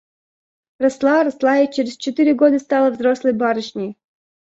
Росла, росла и через четыре года стала взрослой барышней.